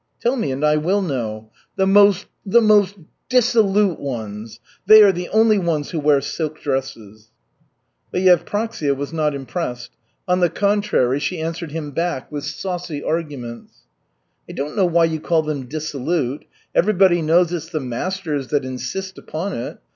"Tell me and I will know." "The most the most dissolute ones. They are the only ones who wear silk dresses." But Yevpraksia was not impressed. On the contrary, she answered him back with saucy arguments. "I don't know why you call them dissolute. Everybody knows it's the masters that insist upon it.